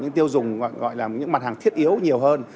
những tiêu dùng gọi là những mặt hàng thiết yếu nhiều hơn